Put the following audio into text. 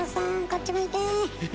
こっち向いて！